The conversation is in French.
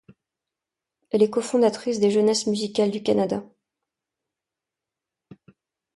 Elle est cofondatrice des Jeunesses musicales du Canada.